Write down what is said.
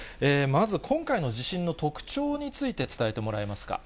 まず、今回の地震の特徴について、伝えてもらえますか。